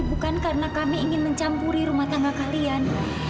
bukan karena kami ingin mencampuri rumah tangga kalian